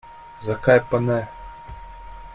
Zakaj pa ne?